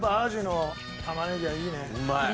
うまい。